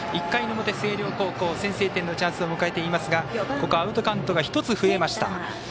１回の表、星稜高校先制点のチャンスを迎えていますがアウトカウント１つ増えました。